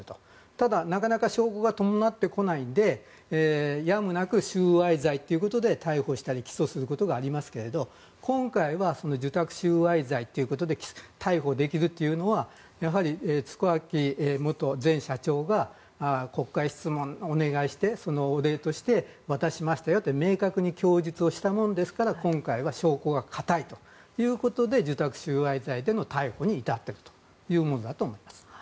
ただ、なかなか証拠が伴ってこないのでやむなく収賄罪ということで逮捕したり起訴することがありますけれど今回は受託収賄罪ということで逮捕できずというのはやはり塚脇前社長が国会質問をお願いしてそのお礼として渡しましたよと明確に供述したもんですから今回は証拠が堅いということで受託収賄罪での逮捕に至っているということだと思います。